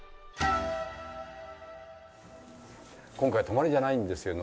今回泊まりじゃないんですよ憲武。